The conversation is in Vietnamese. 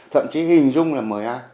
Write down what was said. thậm chí hình dung là mời ai